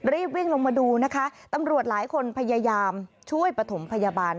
รีบวิ่งลงมาดูนะคะตำรวจหลายคนพยายามช่วยปฐมพยาบาล